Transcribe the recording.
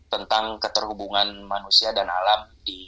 tentang keterhubungan manusia dan alam